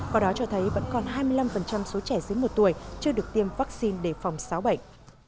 có đó cho thấy vẫn còn hai mươi năm số trẻ dưới một tuổi chưa được tiêm vaccine để phòng sáu bệnh